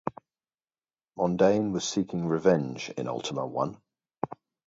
Mondain was seeking revenge in Ultima One.